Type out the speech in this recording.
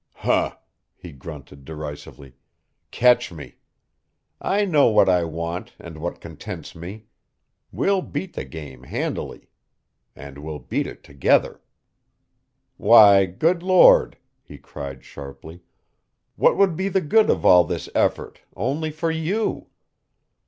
"Huh," he grunted derisively, "catch me. I know what I want and what contents me. We'll beat the game handily; and we'll beat it together. "Why, good Lord," he cried sharply, "what would be the good of all this effort, only for you?